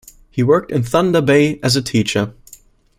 He worked in Thunder Bay as a teacher.